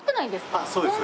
あっそうです。